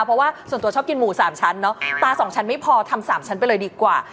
เพราะว่าส่วนตัวชอบกินหมู๓ชั้นเนอะตา๒ชั้นไม่พอทำ๓ชั้นไปเลยดีกว่า